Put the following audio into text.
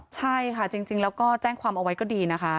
ใช่ค่ะจริงแล้วก็แจ้งความเอาไว้ก็ดีนะคะ